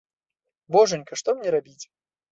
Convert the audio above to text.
Божанька, што мне рабіць?